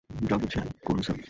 যা বুঝেন করুন, স্যার।